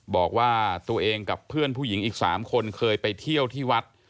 บอกว่าตัวเองกับเพื่อนผู้หญิงอีก๓คนเคยไปเที่ยวที่วัด